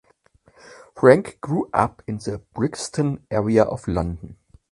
Frank grew up in the Brixton area of London.